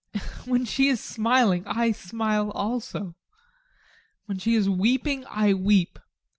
When she is smiling, I smile also. When she is weeping, I weep.